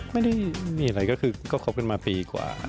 ไม่ได้มีอะไรก็คือก็คบกันมาปีกว่า